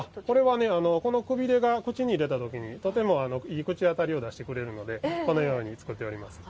この、くびれが口に入れた時に、とてもいい口当たりを出してくれるのでこのように作っています。